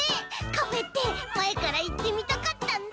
カフェってまえからいってみたかったんだ。